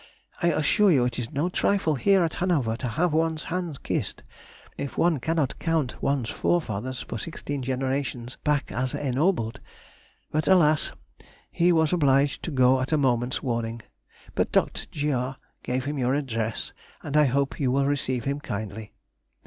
I assure you it is no trifle here at Hanover to have one's hand kissed, if one cannot count one's forefathers for sixteen generations back as ennobled; but, alas! he was obliged to go at a moment's warning; but Dr. Gr. gave him your address, and I hope you will receive him kindly.